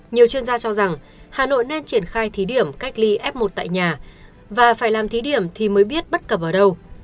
nhiều chuyên gia cho rằng hà nội nên triển khai thí điểm cách ly f một tại nhà và phải làm thí điểm thì mới biết bất cập ở đâu